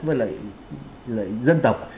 với lại dân tộc